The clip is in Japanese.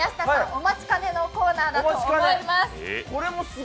お待ちかねのコーナーだと思います。